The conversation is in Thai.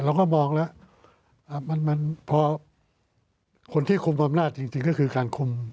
เราก็มองแล้วคนที่คุมความน่าจริงก็คือการคุม